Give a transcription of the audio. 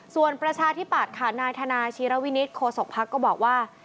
ส่วนประชาธิปัตย์ค่ะนายธนาชีรวินิตโคศกภักดิ์ก็บอกว่า